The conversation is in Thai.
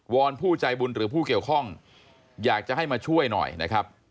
อนผู้ใจบุญหรือผู้เกี่ยวข้องอยากจะให้มาช่วยหน่อยนะครับ